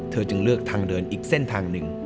จึงเลือกทางเดินอีกเส้นทางหนึ่ง